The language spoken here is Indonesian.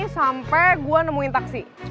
sampe gua nemuin taksi